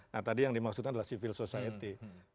nah tadi yang dimaksudkan adalah civil society